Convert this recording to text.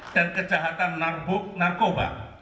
dan kejahatan narkoba